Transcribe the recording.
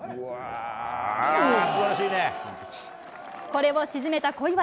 これを沈めた小祝。